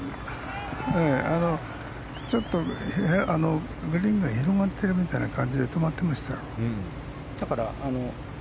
ちょっとグリーンが広がっているみたいな感じで止まってました。